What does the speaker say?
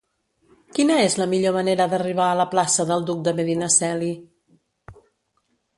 Quina és la millor manera d'arribar a la plaça del Duc de Medinaceli?